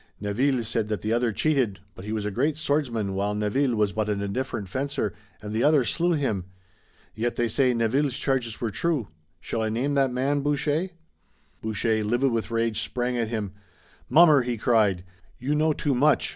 Neville said that the other cheated, but he was a great swordsman while Neville was but an indifferent fencer, and the other slew him. Yet, they say Neville's charges were true. Shall I name that man, Boucher?" Boucher, livid with rage, sprang at him. "Mummer!" he cried. "You know too much.